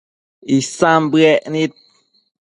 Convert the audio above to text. Isan bëec nid